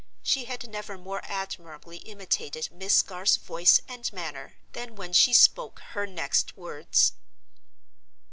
She had never more admirably imitated Miss Garth's voice and manner than when she spoke her next words.